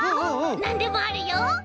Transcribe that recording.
なんでもあるよ。